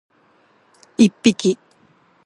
pik pik